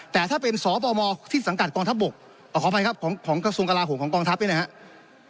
แต่ถ้าเป็นสปมที่สังกัดกองทัพบกขออภัยครับของกระทรวงกลาโหมของกองทัพเนี่ยนะครับ